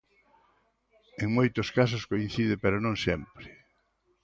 En moitos casos coincide, pero non sempre.